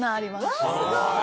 わすごい。